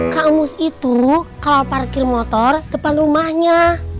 kak emus itu kalau parkir motor depan rumahnya